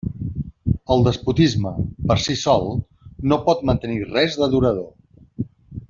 El despotisme, per si sol, no pot mantenir res de durador.